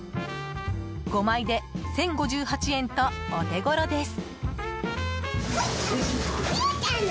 ５枚で１０５８円とお手ごろです。